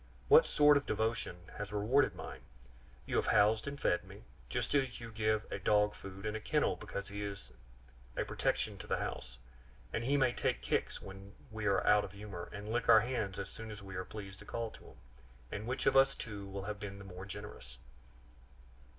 What sort of devotion has rewarded mine? You have housed and fed me, just as you give a dog food and a kennel because he is a protection to the house, and he may take kicks when we are out of humor, and lick our hands as soon as we are pleased to call to him. And which of us two will have been the more generous?"